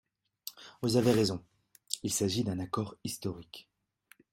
Vous avez raison ! Il s’agit d’un accord historique.